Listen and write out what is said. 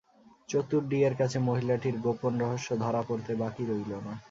চতুর ডি-এর কাছে মহিলাটির গোপন রহস্য ধরা পড়তে বাকি রইল না।